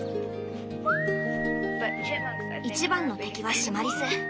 一番の敵はシマリス。